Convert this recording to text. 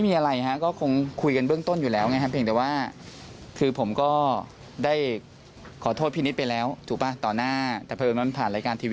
ว่ามันก็๓๐วันวันนี้ก็ครบ๓๑วันแล้วเนาะ